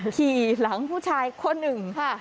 ขี่หลังผู้ชายคนหนึ่ง